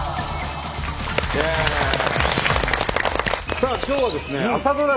さあ今日はですね朝ドラ